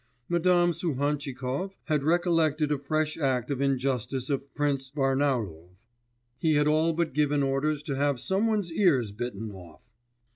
Madame Suhantchikov had recollected a fresh act of injustice of Prince Barnaulov; he had all but given orders to have some one's ears bitten off.